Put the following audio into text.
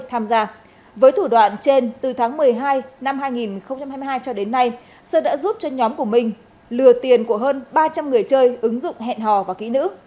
tham gia với thủ đoạn trên từ tháng một mươi hai năm hai nghìn hai mươi hai cho đến nay sơn đã giúp cho nhóm của minh lừa tiền của hơn ba trăm linh người chơi ứng dụng hẹn hò và kỹ nữ